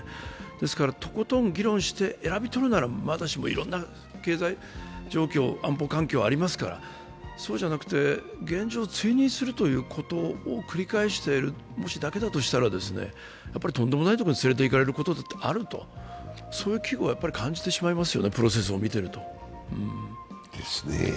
ですから、とことん議論して選び取るならまだしも、いろんな経済状況、安保環境ありますから、そうじゃなくて現状追認するこということを繰り返しているだけだとしたらやっぱりとんでもないところに連れて行かれる可能性もあると、そういう危惧はやはり感じてしまいますよね、プロセスを見ていると。